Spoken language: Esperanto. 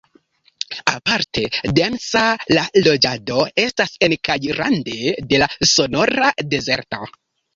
Aparte densa la loĝado estas en kaj rande de la Sonora-dezerto.